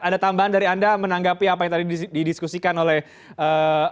ada tambahan dari anda menanggapi apa yang tadi didiskusikan oleh ee